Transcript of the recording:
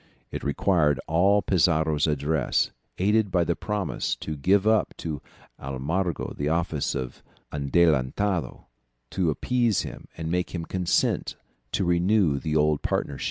It required all Pizarro's address, aided by the promise to give up to Almagro the office of adelantado, to appease him and make him consent to renew the old partnership.